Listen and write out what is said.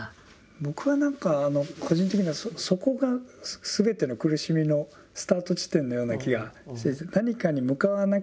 僕は何か個人的にはそこがすべての苦しみのスタート地点のような気がしていてどう思われますか？